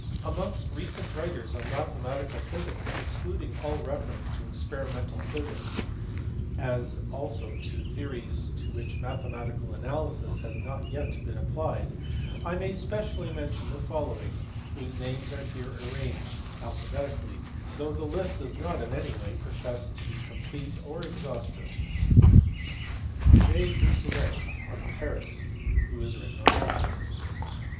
Amongst recent writers on mathematical physics (exclud ing all reference to experimental physics, as also to theories to which mathematical analysis has not been applied) I may specially mention the following (whose names are here arranged alphabetically) though the list does not in any way profess to be complete or exhaustive. J. Boussinesq, of Paris, who has written on optics.